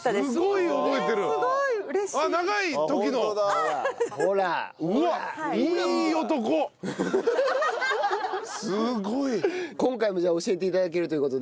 すごい。